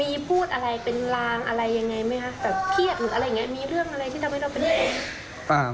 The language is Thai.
แบบเทียบหรืออะไรอย่างนี้มีเรื่องอะไรที่ทำให้เราเป็นเรื่อง